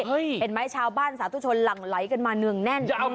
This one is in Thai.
เห็นไหมชาวบ้านสาธุชนหลั่งไหลกันมาเนืองแน่น